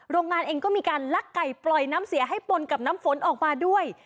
โรงงานเองก็มีการลักไก่ปล่อยน้ำเสียให้ปนกับน้ำฝนออกมาด้วย